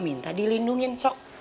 minta dilindungin sok